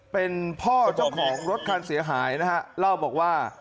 เป็นพ่อเจ้าของรถคันเสียหายนะฮะเล่าบอกว่า